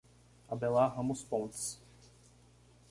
Abelar Ramos Pontes